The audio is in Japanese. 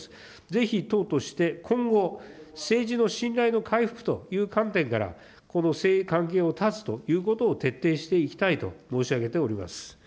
ぜひ党として、今後、政治の信頼の回復という観点から、この関係を断つということを徹底していきたいと申し上げております。